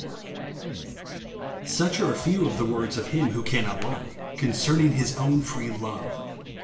Such are a fev/ of the words of Him who cannot lie, concerning his own free love.